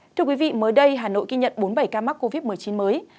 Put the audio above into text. thưa quý vị mới đây hà nội ghi nhận bốn mươi bảy ca mắc covid một mươi chín mới